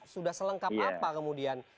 sudah selengkap apa kemudian